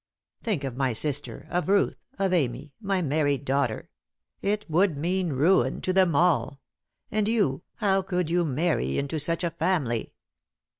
Think of my sister, of Ruth, of Amy, my married daughter; it would mean ruin to them all. And you, how could you marry into such a family?"